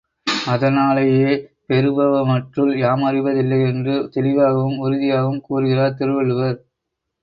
அதனாலேயே பெறுமவற்றுள் யாமறிவதில்லை என்று தெளிவாகவும் உறுதியாகவும் கூறுகிறார் திருவள்ளுவர்.